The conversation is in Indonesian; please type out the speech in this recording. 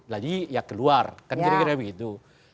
lagi ya keluar kan kira kira begitu